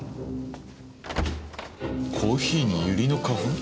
コーヒーにユリの花粉？